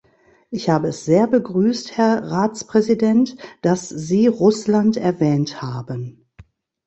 Ich habe es sehr begrüßt, Herr Ratspräsident, dass Sie Russland erwähnt haben.